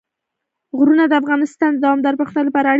غرونه د افغانستان د دوامداره پرمختګ لپاره اړین دي.